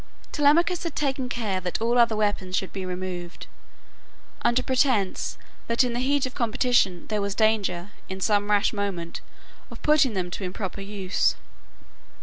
Telemachus had taken care that all other weapons should be removed, under pretence that in the heat of competition there was danger, in some rash moment, of putting them to an improper use.